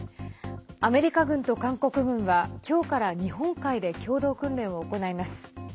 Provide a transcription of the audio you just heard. アメリカ軍と韓国軍は今日から日本海で共同訓練を行います。